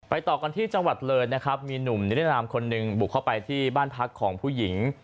ต่อกันที่จังหวัดเลยนะครับมีหนุ่มนิรนามคนหนึ่งบุกเข้าไปที่บ้านพักของผู้หญิง